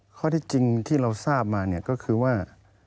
ข้อที่จริงที่เราทราบมาเนี่ยก็คือว่า